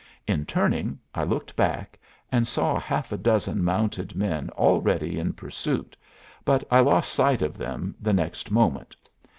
In turning, I looked back, and saw half a dozen mounted men already in pursuit, but I lost sight of them the next moment.